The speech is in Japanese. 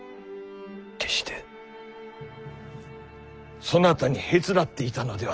決してそなたにへつらっていたのではない。